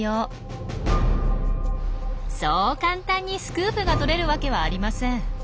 そう簡単にスクープが撮れるわけはありません。